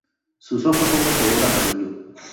Sus ojos son de color amarillo.